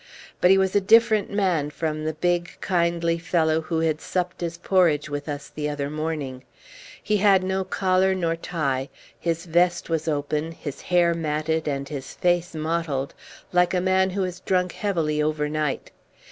But he was a different man from the big, kindly fellow who had supped his porridge with us the other morning. He had no collar nor tie, his vest was open, his hair matted, and his face mottled, like a man who has drunk heavily overnight.